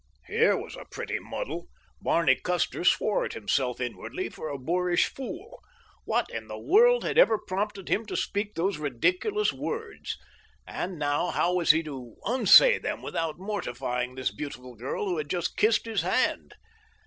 Here was a pretty muddle! Barney Custer swore at himself inwardly for a boorish fool. What in the world had ever prompted him to speak those ridiculous words! And now how was he to unsay them without mortifying this beautiful girl who had just kissed his hand?